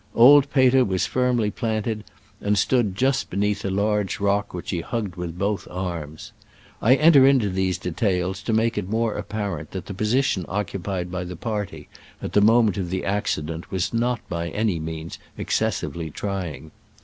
Old Peter was firmly planted, and stood just beneath a large rock which h« hugged with both arms. I enter into these details to make it more apparent that the position occupied by the party at the moment of the accident was not by any means excessively trying.